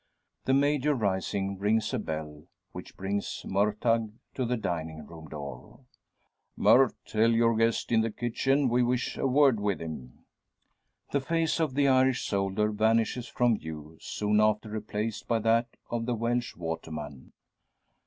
The Major, rising, rings a bell; which brings Murtagh to the dining room door. "Murt, tell your guest in the kitchen, we wish a word with him." The face of the Irish soldier vanishes from view, soon after replaced by that of the Welsh waterman.